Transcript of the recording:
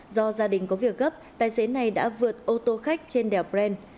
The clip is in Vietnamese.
do gia đình có việc gấp tài xế này đã vượt ô tô khách trên đèo brent